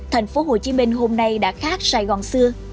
thành phố hồ chí minh hôm nay đã khác sài gòn xưa